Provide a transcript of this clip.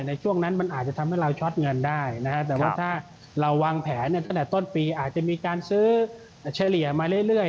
ในช่วงนั้นมันอาจจะทำให้เราช็อตเงินได้นะครับแต่ว่าถ้าเราวางแผนตั้งแต่ต้นปีอาจจะมีการซื้อเฉลี่ยมาเรื่อย